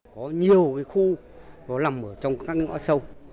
có nhiều khu làm ở trong các ngõ sâu